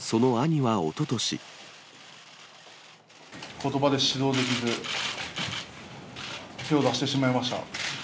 ことばで指導できず、手を出してしまいました。